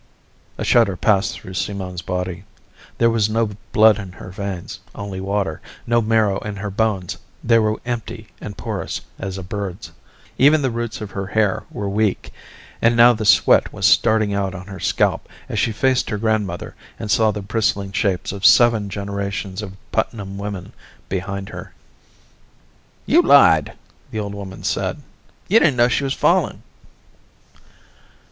A shudder passed through Simone's body. There was no blood in her veins, only water; no marrow in her bones, they were empty, and porous as a bird's. Even the roots of her hair were weak, and now the sweat was starting out on her scalp as she faced her grandmother and saw the bristling shapes of seven generations of Putnam women behind her. "You lied," the old woman said. "You didn't know she was falling."